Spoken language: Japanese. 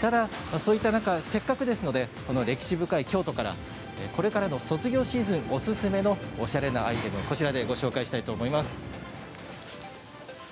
ただ、そういった中せっかくですので歴史深い京都からこれからの卒業シーズンおすすめのおしゃれなアイテムをこちらでご紹介したいと思います。